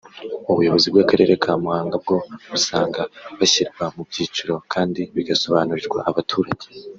ubuyobozi bw’Akarere ka Muhanga bwo busanga byashyirwa mu byiciro kandi bigasobanurirwa abaturage